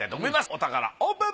お宝オープン！